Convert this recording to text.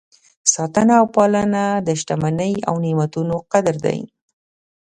ساتنه او پالنه د شتمنۍ او نعمتونو قدر دی.